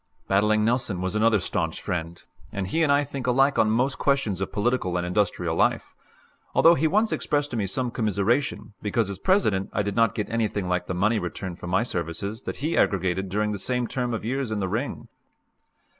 Battling Nelson was another stanch friend, and he and I think alike on most questions of political and industrial life; although he once expressed to me some commiseration because, as President, I did not get anything like the money return for my services that he aggregated during the same term of years in the ring.